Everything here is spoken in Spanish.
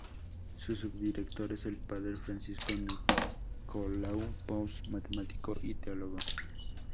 El subdirector es el padre Francisco Nicolau Pous, matemático y teólogo.